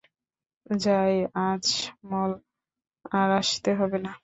যাই আজমল, আর আসতে হবে না।